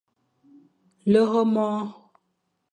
Lere mor.